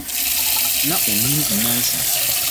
Ná onnim nyansa.